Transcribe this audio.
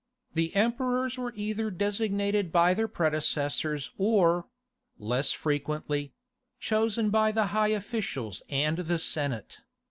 The emperors were either designated by their predecessors or—less frequently—chosen by the high officials and the senate.